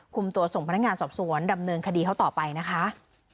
คุมตัวส่งพนักงานสอบสวนดำเนินคดีเขาต่อไปนะคะ